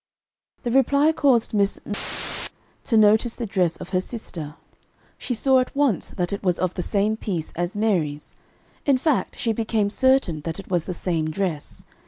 The reply caused Miss M to notice the dress of her sister. She saw at once that it was of the same piece as Mary's, in fact, she became certain that it was the same dress.